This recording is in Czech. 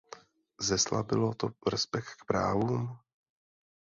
Zeslabilo to respekt k právům?